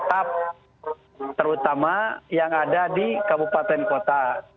tetap terutama yang ada di kabupaten kota